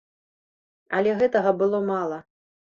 Але гэтага было мала.